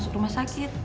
bahan lu malah sama sajib